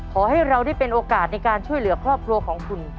ขอให้เราได้เป็นโอกาสในการช่วยเหลือครอบครัวของคุณ